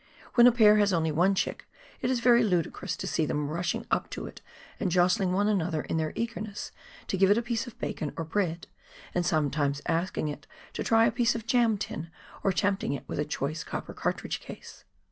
When a pair has only one chick it is very ludicrous to see them rushing up to it and jostling one another in their eagerness to give it a piece of bacon or bread, and sometimes asking it to try a piece of a jam tin, or tempting it with a choice copper cartridge case.